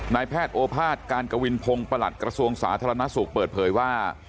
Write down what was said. นายแพทย์โอภาษย์การกวินพงศ์ประหลัดกระทรวงสาธารณสุขเปิดเผยว่า